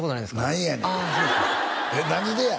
何やねんえっ何でや？